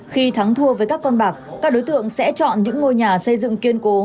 khi thắng thua với các con bạc các đối tượng sẽ chọn những ngôi nhà xây dựng kiên cố